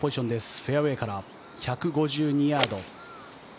フェアウェーから１５２ヤード。